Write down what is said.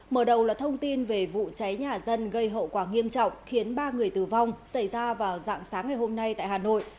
mở đầu là thông tin về vụ cháy nhà dân gây hậu quả nghiêm trọng khiến ba người tử vong xảy ra vào dạng sáng ngày hôm nay tại hà nội